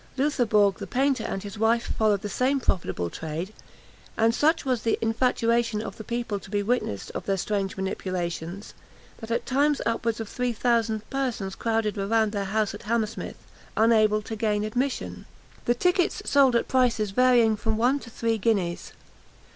Loutherbourg the painter and his wife followed the same profitable trade; and such was the infatuation of the people to be witnesses of their strange manipulations, that at times upwards of three thousand persons crowded around their house at Hammersmith, unable to gain admission. The tickets sold at prices varying from one to three guineas.